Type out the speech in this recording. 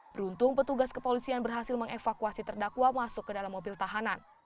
beruntung petugas kepolisian berhasil mengevakuasi terdakwa masuk ke dalam mobil tahanan